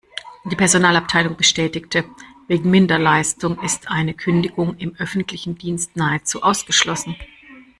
Die Personalabteilung bestätigte: Wegen Minderleistung ist eine Kündigung im öffentlichen Dienst nahezu ausgeschlossen.